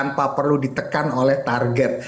tanpa perlu ditekan oleh target